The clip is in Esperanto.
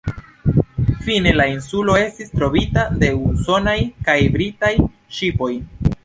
Fine la insulo estis trovita de usonaj kaj britaj ŝipoj.